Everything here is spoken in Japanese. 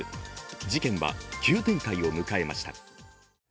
事件は急展開を迎えました。